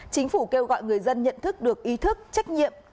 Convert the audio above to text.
chính phủ kêu gọi người dân nhận thức được ý thức trách nhiệm